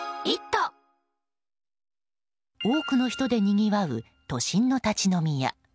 多くの人でにぎわう都心の立ち飲み屋。